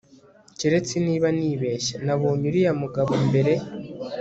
Keretse niba nibeshye nabonye uriya mugabo mbere